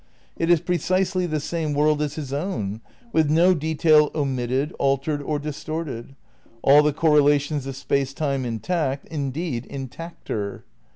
It is precisely the same world as his own, with no detail omitted, altered or distorted — all the correlations of Space Time intact (indeed in tacter).